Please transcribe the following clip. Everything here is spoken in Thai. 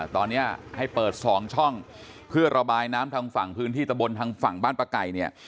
ตอนนี้ให้เปิด๒ช่องเพื่อระบายน้ำทางฝั่งพื้นที่ตะบนทางฝั่งบ้านป้าไก่เนี่ย